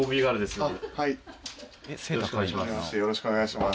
よろしくお願いします。